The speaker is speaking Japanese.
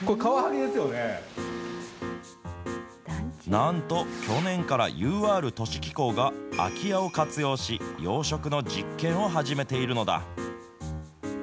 なんと、去年からＵＲ都市機構が空き家を活用し、養殖の実験を始めているのだ。